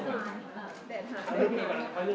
คือพี่เรียกเรื่องมายู